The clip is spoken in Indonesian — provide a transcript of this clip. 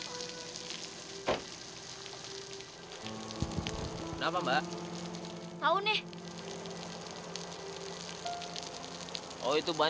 benihnya mending palabra harus keluar